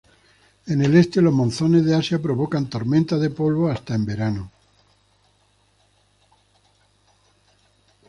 En el este, los monzones de Asia provocan tormentas de polvo hasta en verano.